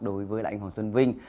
đối với anh hoàng xuân vinh